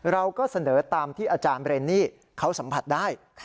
เราก็เสนอตามที่อาจารย์เรนนี่เขาสัมผัสได้